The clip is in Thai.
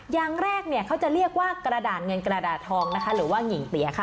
อย่างแรกเนี่ยเขาจะเรียกว่ากระดาษเงินกระดาษทองนะคะหรือว่าหญิงเปียค่ะ